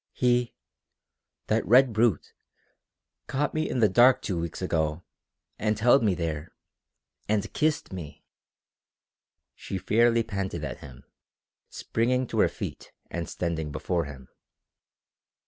"He that red brute caught me in the dark two weeks ago, and held me there and kissed me!" She fairly panted at him, springing to her feet and standing before him.